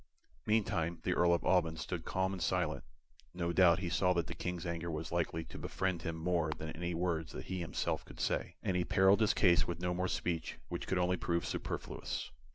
Meantime the Earl of Alban stood calm and silent. No doubt he saw that the King's anger was likely to befriend him more than any words that he himself could say, and he perilled his case with no more speech which could only prove superfluous.